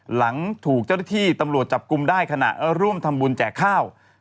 หลังถูกเจ้าหน้าที่ตำรวจจับกลุ่มได้ขณะร่วมทำบุญแจกข้าว